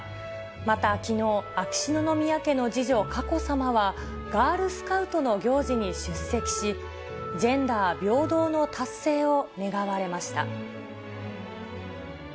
またきのう、秋篠宮家の次女、佳子さまは、ガールスカウトの行事に出席し、ジェンダー平等の達成を願われました。